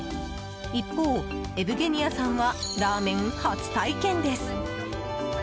一方、エブゲニアさんはラーメン初体験です。